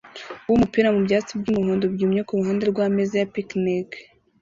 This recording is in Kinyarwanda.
wumupira mubyatsi byumuhondo byumye kuruhande rwameza ya picnic